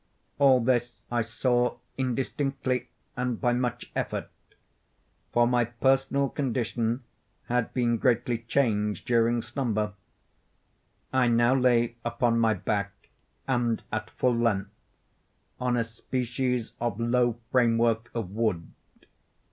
All this I saw indistinctly and by much effort—for my personal condition had been greatly changed during slumber. I now lay upon my back, and at full length, on a species of low framework of wood.